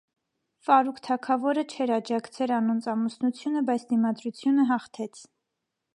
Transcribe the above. Ֆարուք թագաւորը չէր աջակցեր անոնց ամուսնութիւնը, բայց դիմադրութիւնը յաղթեց։